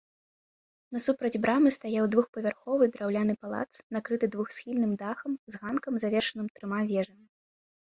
Насупраць брамы стаяў двухпавярховы драўляны палац, накрыты двухсхільным дахам, з ганкам, завершаным трыма вежамі.